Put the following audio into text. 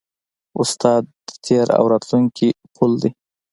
استاد د تېر او راتلونکي پل دی.